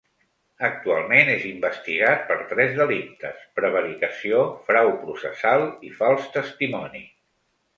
Actualment, és investigat per tres delictes: prevaricació, frau processal i fals testimoni.